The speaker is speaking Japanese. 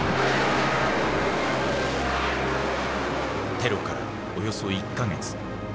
テロからおよそ１か月。